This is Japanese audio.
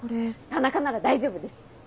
田中なら大丈夫です。